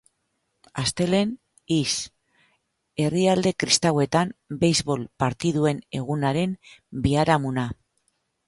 Astelehen, iz. Herrialde kristauetan, beisbol partiduen egunaren biharamuna.